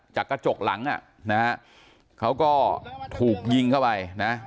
จากกระจกหลังเขาก็ถูกยิงเข้าไป